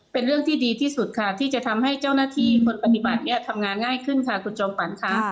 เป็นเรื่องที่ดีที่สุดค่ะที่จะทำให้เจ้าหน้าที่คนปฏิบัติเนี่ยทำงานง่ายขึ้นค่ะคุณจอมฝันค่ะ